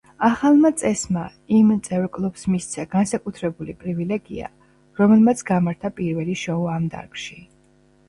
ახალმა წესმა იმ წევრ კლუბს მისცა განსაკუთრებული პრივილეგია, რომელმაც გამართა პირველი შოუ ამ დარგში.